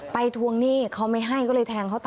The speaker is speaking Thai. ทวงหนี้เขาไม่ให้ก็เลยแทงเขาต่อ